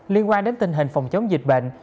liên quan đến tình hình phòng chống dịch bệnh